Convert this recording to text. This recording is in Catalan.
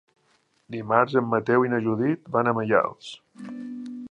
Dimarts en Mateu i na Judit van a Maials.